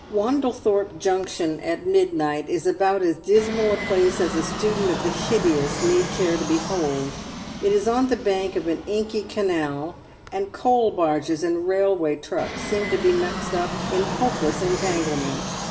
Wandlethorpe Junction at midnight is about as dismal a place as a student of the hideous need care to behold. It is on the bank of an inky canal, and coal barges and railway trucks seem to be mixed up in hopeless entanglement.